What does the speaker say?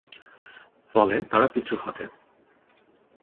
ফলে তারা পিছু হটে।